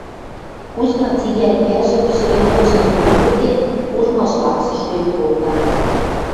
Кузьма цигӓркӓжӹм, шӹвӹльвӹдшӹ доно нӧртен, урмаш лаксыш шуэн колта.